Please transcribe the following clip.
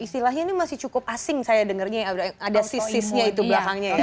istilahnya ini masih cukup asing saya dengarnya ya ada sisisnya itu belakangnya ya